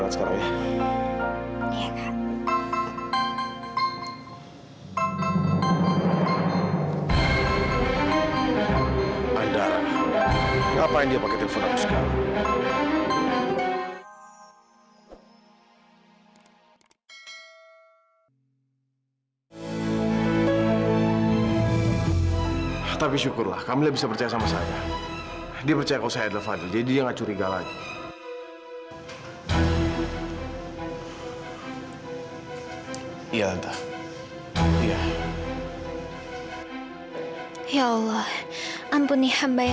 sampai jumpa di video selanjutnya